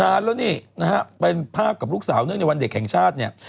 นานแล้วนี่นะฮะเป็นภาพกับลูกสาวเนื่องในวันเด็กแห่งชาติเนี่ย